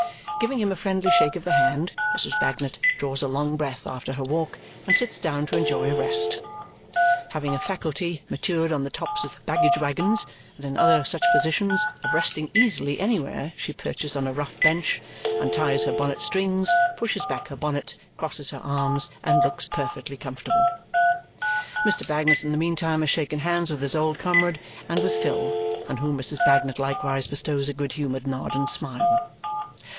Giving him a friendly shake of the hand, Mrs. Bagnet draws a long breath after her walk and sits down to enjoy a rest. Having a faculty, matured on the tops of baggage waggons and in other such positions, of resting easily anywhere, she perches on a rough bench, unties her bonnet strings, pushes back her bonnet, crosses her arms, and looks perfectly comfortable. Mr. Bagnet in the meantime has shaken hands with his old comrade and with Phil, on whom Mrs. Bagnet likewise bestows a good humoured nod and smile.